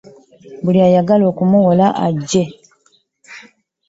Buli ayagala okumuwola ajje.